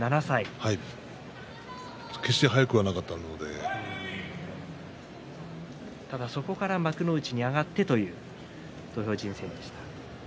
決して早くはただそこから幕内に上がってという土俵人生でした。